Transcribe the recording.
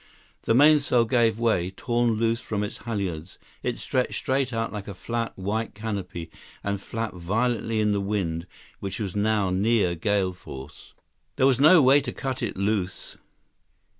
The mainsail gave way, torn loose from its halyards. It stretched straight out like a flat, white canopy and flapped violently in the wind, which was now near gale force. 114 There was no way to cut it loose.